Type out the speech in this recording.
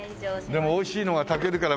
でもおいしいのが炊けるから。